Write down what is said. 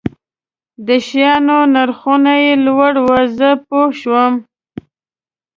د شیانو نرخونه یې لوړ وو، زه پوه شوم.